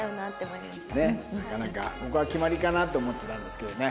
ここは決まりかなって思ってたんですけどね。